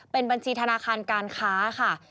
เป็นบัญชีธนาคารการค้าค่ะ